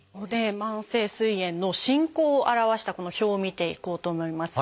慢性すい炎の進行を表したこの表を見ていこうと思います。